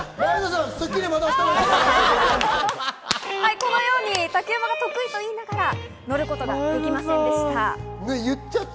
このように竹馬が得意と言いながら乗ることができませんでした。